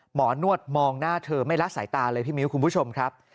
หมอนวดมองหน้าเธอไม่ละสายตาเลยพี่มิ้วคุณผู้ชมครับ